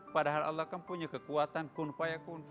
padahal allah kan punya kekuatan kun fayakun